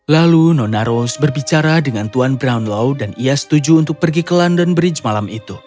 lalu nona rose berbicara dengan tuan brownlow dan ia setuju untuk pergi ke london bridge malam itu